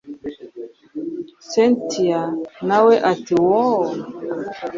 cyntia nawe ati wooww